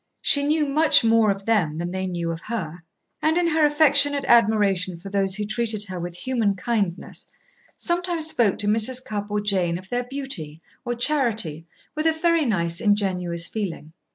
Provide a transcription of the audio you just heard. She knew much more of them than they knew of her, and, in her affectionate admiration for those who treated her with human kindness, sometimes spoke to Mrs. Cupp or Jane of their beauty or charity with a very nice, ingenuous feeling.